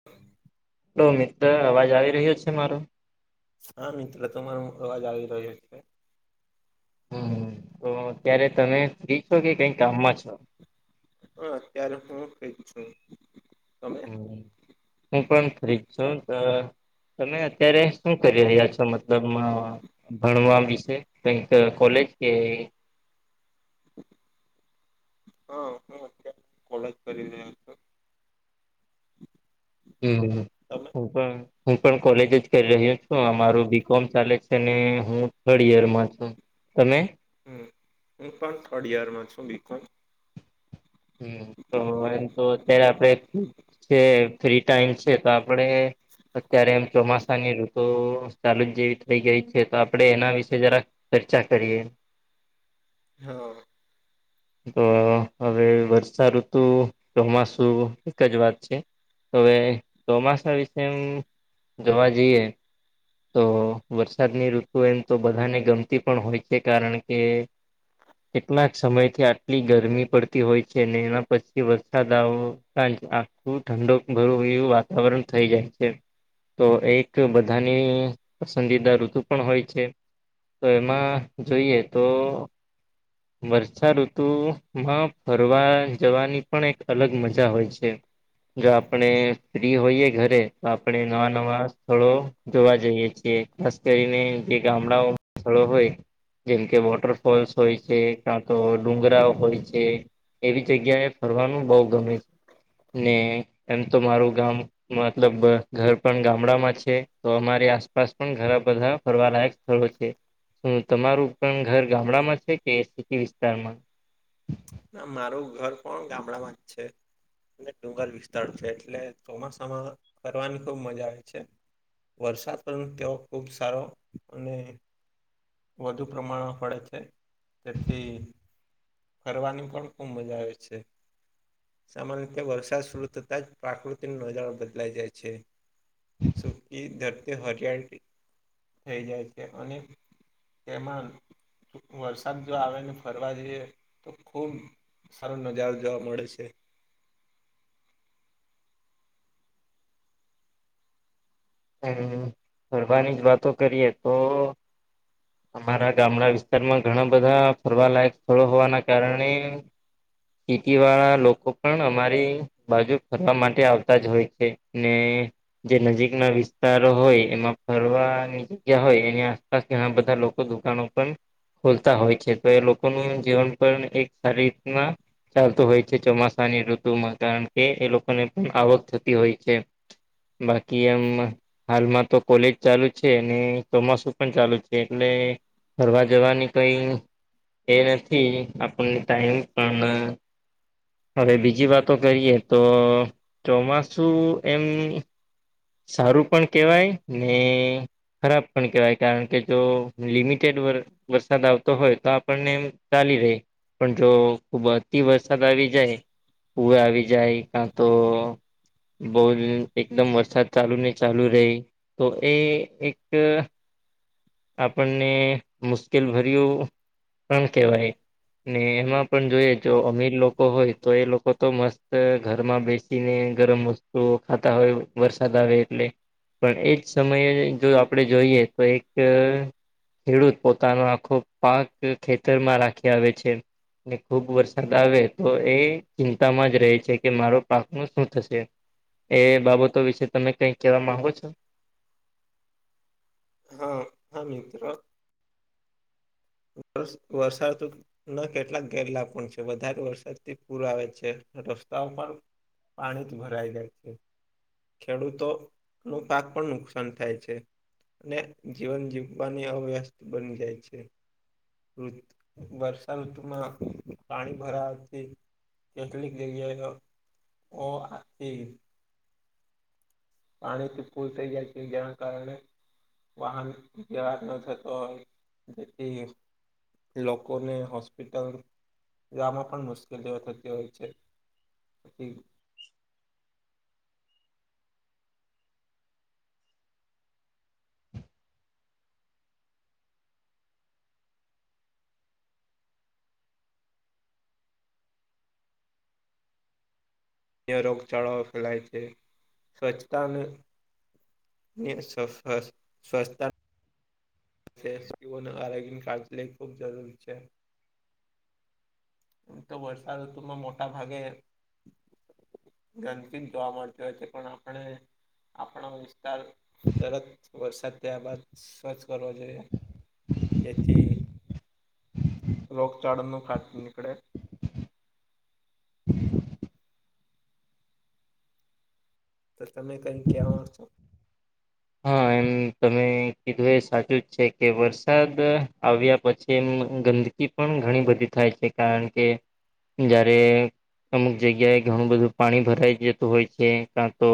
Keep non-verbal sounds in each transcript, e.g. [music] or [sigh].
[inaudible] તો મિત્ર અવાજ આવી રહ્યો છે મારો? હા મિત્ર તમારો અવાજ આવી રહયો છે. હમ તો અત્યારે તમે ફ્રી છો કે કઈ કામમાં છો? હા અત્યારે હું ક છું. તમ હમ હું પણ ફરીજ છું. [inaudible] તમે અત્યારે શું કરી રહ્યા છો મતલબ ભણવા વિશે [inaudible] કોલેજ કે હ હું કોલાજ કરી રહ્યો છું. હમ તમે હું પણ હું પણ કોલેજ જ કરી રહ્યો છું. અમારું બી કોમ ચાલે છે અને હું થર્ડ ઇયરમાં છું તમે? હમ હું પણ થર્ડ ઇયરમાં છું બીકોમ. હમ તો એમ તો અત્યારે આપડે જે ફ્રી ટાઈમ છે તો આપણે અત્યારે એમ ચોમાસાની ઋતુ ચાલુ જ જેવી થઈ ગઈ છે તો આપડણે એના વિશે જરાક ચર્ચા કરીએ? હા. હા હવે વર્ષાઋતુ ચોમાસુ એક જ વાત છે. હવે ચોમાસા વિશે જોવા જઈએ તો વરસાદની ઋતુ એમ તો બધાને ગમતી પણ હોય છે કારણ કે કેટલાક સમયથી આટલી ગરમી પડતી હોય છે ને એના પછી વરસાદ આવવો આ આખું ઠંડુ [unintelligible] વાતાવરણ થઈ જાય છે. તો એક બધાને ને પસંદીદા ઋતુ પણ હોય છે તો એમાં જોઈએ તો વર્ષાઋતુ માં ફરવા જવાની પણ એક અલગ મજા હોય છે. જો આપણે ફ્રી હોઈયે ઘરે તો આપણે નવા નવા સ્થળો જોવા જઈએ છીએ ખાસ કરીને જે ગામડાઓ સ્થળો હોય જેમ કે વોટરફોલ્સ હોય. જે કાં તો ડુંગરાઓ હોય છે એવી જગ્યાએ ફરવાનું બહું ગમે છે. ને એમ તો મારું ગામ મતલબ ઘ ઘર પણ ગામડા માં છે તો અમારી આસપાસ પણ ઘણા બધા ફરવા લાયક હોય છે તો તમારું ઘર પણ ગામડામાં છે કે સીટી વિસ્તારમાં. હા મારું ઘર પણ ગામડામાં જ છે. ને ડુંગર વિસ્તાર છે એટલે ચોમાસામાં ફરવાની ખુબ મજા આવે છે. વરસાદ પણ તેઓ ખુબ સારો અને વધુ પ્રમાણમાં પડે છે તેથી ફરવાની પણ ખૂબ મજા આવે છે. સામાન્ય રીતે વરસાદ શરૂ થતાં જ પ્રાકૃતિ નો નજારો બદલાઈ જાય છે. સુકી ધરતી હરિયાળી થઈ જાય છે અને તેમાં વરસાદ જો આવે ને ફરવા જઈએ તો ખૂબ સારો નજારો જોવા મળે છે. હમ્મ ફરવાની જ વાતો કરીએ તો અમારા ગામડા વિસ્તારમાં ઘણા બધા ફરવાલાયક સ્થળો હોવાના કારણે સીટી વાળા લોકો પણ અમારી બાજુ ફરવા માટે આવતા જ હોય છે ને જે નજીકના વિસ વિતારો હોય એમાં ફરવાની જગ્યા હોય એની આસપાસ ઘણા બધા લોકો દુકાનો પણ ખોલતા હોય છે તો એ લોકોનું જીવન પણ એક સારી રીતના ચાલતું હોય છે ચોમાસાની ઋતુમાં કારણ કે એ લોકોને પણ આવક થતી હોય છે. બાકી એમ હાલમાં તો કોલેજ ચાલુ છે અને ચોમાસું પણ ચાલુ છે એટલે ફરવા જવાની કઈ એ નથી આપણને ટાઈમ પણ હવે બીજી વાતો કરીએ તો ચોમાસું એમ સારું પણ કહેવાય ને ખરાબ પણ કેવાય કારણ કે તો લિમિટેડ વર વરસાદ આવતો હોય તો આપણને એમ ચાલી રહે પણ જો ખૂબ જ થી વરસાદ આવી જાય પુર આવી જાય કા તો બોજ એકદમ વરસાદ ચાલુ ને ચાલુ રહે તો એ એક આપણને મુશ્કેલ ભર્યું પણ કહેવાય. ને એમાં પણ જોઈએ જો અમીર લોકો હોય તો એ લોકો તો મસ્ત ઘરમાં બેસ સી ને ગરમ વસ્તુ ખાતા હોય વાર વરસાદ આવે એટલે પણ એજ સમયે જો આપણેે જોઈએ તો એક ખેડૂત પોતાનો આખો પાક ખેતરમાં લાખી આવે છે. ને ખુબ વરસાદ આવે તો એ ચિંતામાં જ રહે છે કે મારો પાક નું શું થશે. એ બાબતો વિશે તમે કઈ કેવા માંગો છો. હા હા મિત્ર. વર્ષ વર્ષાઋતુ તો ના કેટલાક ગેરલાભ પણ છે, વધારે વરસાદથી પૂર આવે છે, રસ્તાઓ પણ પાણી થ ભરાઈ જાય છે. ખેડૂતો નુ પાક પણ નુકસાન થાય છે. ને જીવન જીવવાની અવ્યસ્ત બની જાય છે. ઋ વર્ષા ઋતુમાં પાણી ભરાવાથી કેટલીક જગ્યાએ તો, કો હાથ થી. પાણીથી ફુલ થઈ જાય છે જેના કારણે વાહન વ્યવહાર ન થતો હોય, જેથી લોકોને હોસ્પિટલ જામાં પણ મુશ્કેલીઓ થતી હોય છે. પછી જે રોગચાળો ફેલાય છે. સ્વચ્છતાને નીર સફ [unintelligible] સ્વસ્થતા સેફ કીઓ ને આરોગ્યની કાળજી લેવી ખૂબ જરૂરી છે. તો વર્ષાઋતુમાં મોટા ભાગે ગંદકી જ જોવા મળતી હોય છે પણ આપણે આપણા વિસ્તાર તરત વરસાદ થયા બાદ, સ્વચ્છ કરવો જોઇએ, જેથી લોક ચણનું ખાતુ નીકડે. તો તમે કઈ કેહવાના છો. હા એમ તમે કીધું એ સાચું જ છે કે વરસાદ આવ્યા પછી એમ ગંદ ગી પણ ઘણી બધી થાય છે કારણ કે જારે, અમુક જગ્યાએ ઘણું બધું પાણી ભરાઈ જતું હોય છે. તા તો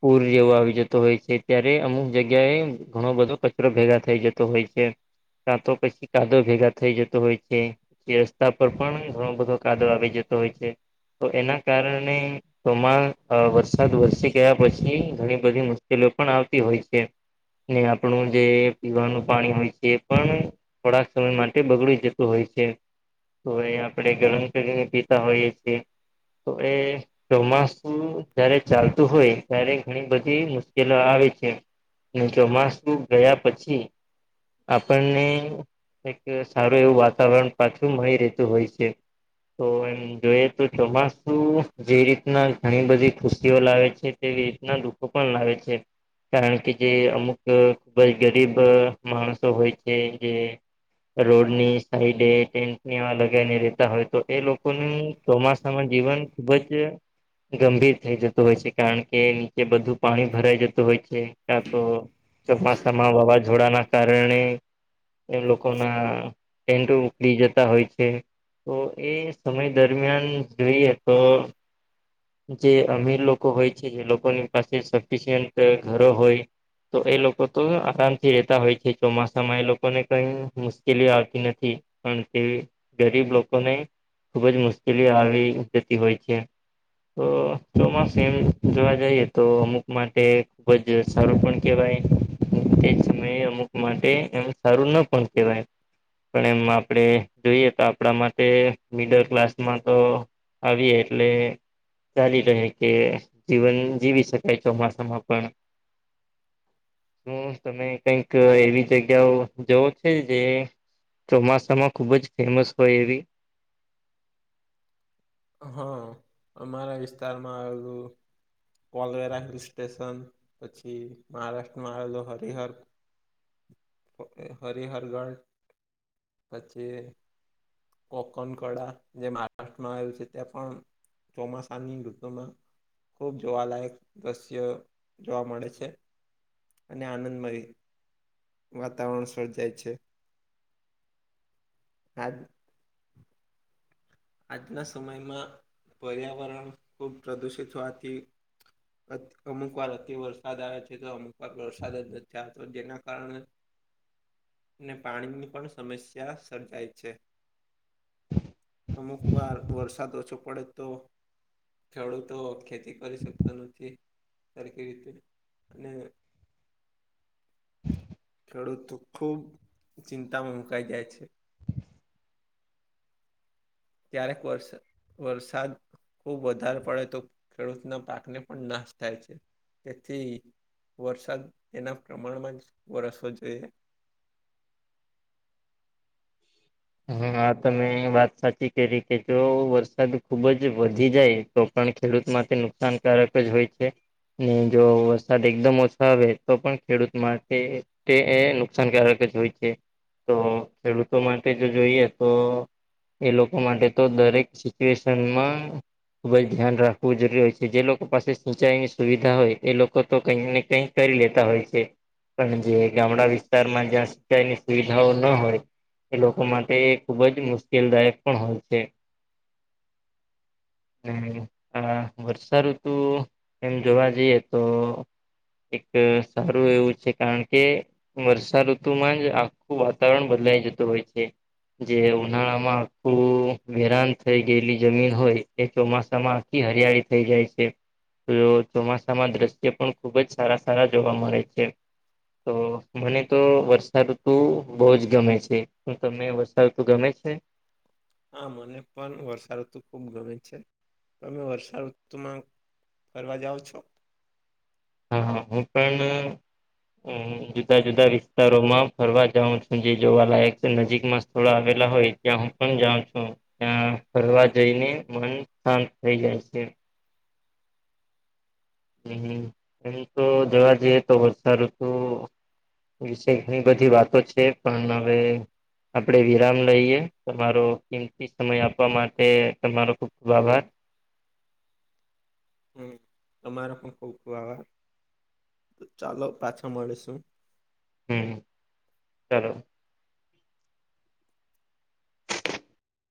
પૂર જેવુ આવી જતો હોય છે ત્યારે અમુક જગ્યાએ ઘણો બધો કચરો ભેગા થઇ જતો હોય છે. કાં તો પછી કાદવ ભેગા થઈ જતો હોય છે. રસ્તા પર પણ ઘણો બધો કાદવ‌ આવી જતો હોય છે તો એના કારણે તોમાં વરસાદ વરસી ગયા પછી ઘણી બધી મુશ્કેલીઓ પણ આવતી હોય છે. ને આપણું જે પીવાનું પાણી હોય છે એ પણ થોડાક સમય માટે બગડી જતું હોય છે. તોય આપણે ગરમ કરીને પીતા હોઈએ છે. તો એ ચોમાસું જયારે ચાલતું હોય, ત્યારે ઘણી બધી મુશ્ કેલો આવે છે, ને ચોમાસું ગયા પછી આપણને એક સારું એવું વાતાવરણ પાછું મળી રેહતું હોય છે. તો એમ જોઈએ તો ચોમાસું જે રીતના ઘણી બધી ખુશીઓ લાવે છે તેવી રીતના દુ ખો પણ લાવે છે. કારણ કે જે અમુક ખૂબ જ ગરીબ, માણસો હોય છે જે રોડ ની સાઈટે ટેન્ટ ની આવા લગાઈ ને રેતા હોય તો એ લોકોનું ચોમા સાનુ જીવન ખુબ જ, ગંભીર થઈ જતું હોય છે કારણ કે નીચે બધું પાણી ભરાઈ જતું હોય છે, કા તો ચોમાસામાં વાવાઝોડાના કારણે એલોકો ના ટેન્ટો ઉખડી જતા હોય છે. તો એ સમય દરમિયાન જોઈએ તો જે અમીર લોકો હોય છે જે લોકોની પાસે સફિસિયન્ટ ઘરો હોય તો એ લોકો તો આરામથી રેતા હોય છે ચોમાસામાં, એ લોકો ને કઈ મુશ્કેલી આવતી નથી. પણ તે ગરીબ લોકોને ખુબ જ મુશ્કેલી આવી જતી હોય છે. તો ચોમાસું એમ જોવા જઈએ તો, અમુક માટે ખુબ જ સારું પણ કેહેવાય. ને તેજ સમયે અમુક માટે એમ સારું ન પણ કેવાય. પણ એમ આપણેે જોઈએ તો, આપણા માટે મિડલ ક્લાસમાં તો આવી એટલે ચાલી રહે કે જીવન જીવી શકાય, ચોમાસામાં પણ. શું તમે કંઈક એવી જગ્યાઓ જોવો છે, જે? ચોમાસામાં ખુબ જ ફેમસ હોય એવી હા, અમારા વિસ્તારમાં આવું પોલવેરા હિલ સ્ટેશન, પછી મહારાષ્ટ્રમાં આવેલો હરિહર હરિહર ગઢ પછી કોકોન કળા જે મહારાષ્ટ્રમાં આવ્યું છે. ત્યાં પણ ચોમાસાની ઋતુમાં ખૂબ જોવાલાયક દ્રશ્ય જોવા મળે છે, અને આનંદમય વાતાવરણ સર્જાય છે. આજ આજના સમયમાં પર્યાવરણ ખૂબ પ્રદુષિત હોવાથી. અમુક વાર અતિ વરસાદ આવ્યો છે, તો અમુક વાર વરસાદ જ નથી થતો, જેના કારણે [unintelligible] ને પાણીની પણ સમસ્યા સર્જાય છે. અમુક વાર વરસાદ ઓછો પડે તો ખેડૂતો ખેતી કરી શકતા નથી સારી કે રીતે, અને [unintelligible] ખેડૂત તો ખુબ ચિંતામાં મુકાઈ જાય છે. ક્યારેક વ વરસાદ ખૂબ વધારે પડે તો, ખેડૂતના પાકને પણ નાશ થાય છે, તેથી વરસાદ એના પ્રમાણમાં જ વરસવો જોઈએ. હા, હા, તમે વાત સાચી કરી કે, જો વરસાદ ખુબ જ વધી જાય. તો પણ ખેડૂત માટેથી નુકસાનકારક જ હોય છે. ને, જો વરસાદ એકદમ ઓછો આવે, તો પણ ખેડૂત માટે તે એ નુકસાનકારક જ હોય છે, તો ખેડૂતો માટે, જો જોઈએ તો. એ લોકો માટે તો દરેક સિચ્યુએશનમાં ખૂબ જ ધ્યાન રાખવું જરૂરી હોય છે. જે લોકો પાસે સિંચાઈની સુવિધા હોય, એ લોકો તો કંઈક ને કંઈક કરી લેતા હોય છે, પણ જે ગામડા વિસ્તારમાં, જ્યાં સિંચાઈની સુવિધાઓ ન હોય. એ લોકો માટે એ ખુબ જ મુશ્કેલદાયક પણ હોય છે. અને આ વર્ષાઋતુ એમ જોવા જઈએ તો. એક સારું એવું છે, કારણ કે વર્ષાઋતુમાં જ આખું વાતાવરણ બદલાઈ જતું હોય છે. જે ઉનાળા માં આખું વિરાન થઈ ગયેલી જમીન હોય. એ ચોમાસામાં આખી હરિયાળી થઇ જાય છે. તો ચોમાસામાં દ્રશ્ય પણ ખુબ જ સારા સારા જોવા મળે છે. તો મને તો વર્ષાઋતુ બહુ જ ગમે છે. હું, તમને વર્ષાૠતુ ગમે છે? હા, મને પણ વર્ષાઋતુ ખૂબ ગમે છે. તમે વર્ષાઋતુમાં? ફરવા જાઓ છો? હા, હા, હું પણ. જુદા જુદા વિસ્તારોમાં ફરવા જાઉ છું, જે જોવા લાયક નજીકમાં સ્થળો આવેલા હોય. ત્યાં હું પણ જાઉં છું. ત્યાં ફરવા જઈને મન શાંત થઈ જાય છે. હમ, એમ તો જવા જઈએ તો, વર્ષાઋતુ વિશે એટલી વાતો છે પણ હવે આપડે વિરામ લઈએ, તમારો કિંમતી સમય આપવા માટે તમારો ખુબ ખુબ આભાર! હમ, [unintelligible] તમારો ખુબ ખૂબ આભાર ચાલો પાછા મળીશુ. હમ ચાલો!